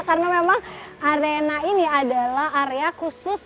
karena memang arena ini adalah area khusus